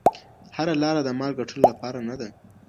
هره لاره د مال د ګټلو لپاره نه ده.